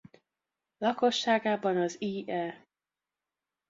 Lakosságában az i.e.